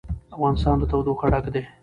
افغانستان له تودوخه ډک دی.